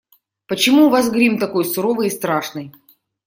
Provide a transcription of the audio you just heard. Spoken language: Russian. Почему у вас грим такой суровый и страшный?